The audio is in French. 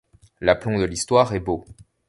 L’aplomb de l’histoire est beau.